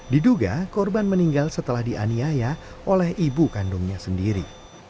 diduga korban meninggal setelah dianiaya oleh ibu kandungnya sendiri